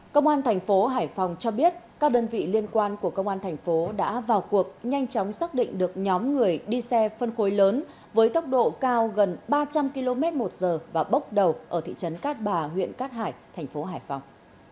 công an thành phố hải phòng cho biết các đơn vị liên quan của công an thành phố đã vào cuộc nhanh chóng xác định được nhóm người đi xe phân khối lớn với tốc độ cao gần ba trăm linh km một giờ và bốc đầu ở thị trấn cát bà huyện cát hải thành phố hải phòng